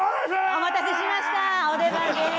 お待たせしましたお出番です。